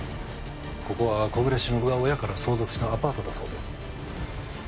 ここは小暮しのぶが親から相続したアパートだそうです。